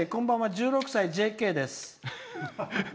１６歳ＪＫです。